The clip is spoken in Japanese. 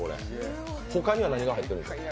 他には何が入っているんですか